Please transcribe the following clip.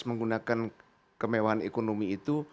menggunakan kemewahan ekonomi itu